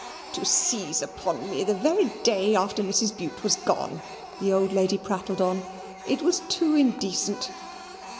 "To seize upon me the very day after Mrs. Bute was gone," the old lady prattled on; "it was too indecent.